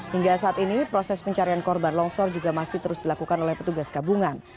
hingga saat ini proses pencarian korban longsor juga masih terus dilakukan oleh petugas gabungan